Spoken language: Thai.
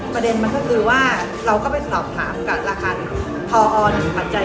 ประเด็นมันก็คือว่าเราก็ไปสอบถามกับราคาพอ๑ปัจจัย